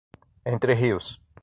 Entre Rios